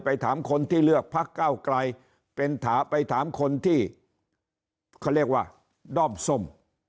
ถามคนที่เลือกพักเก้าไกลเป็นถามไปถามคนที่เขาเรียกว่าด้อมส้ม